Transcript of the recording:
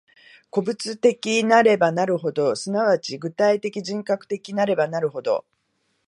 個物的なればなるほど、即ち具体的人格的なればなるほど、